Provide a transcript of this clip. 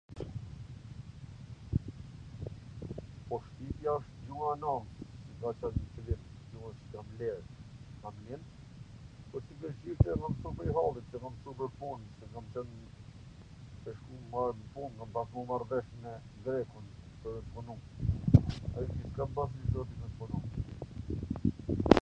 Po shqipja wsht gjuha e nanws, ka vlerw, kurse greqishten e kam msu prej hallit, kur kam shku pwr pun me u marr vesh me grekun me punu...